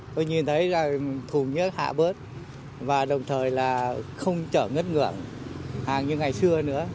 tôi nhìn thấy là thùng nhớ hạ bớt và đồng thời là không chở ngất ngưỡng hàng như ngày xưa nữa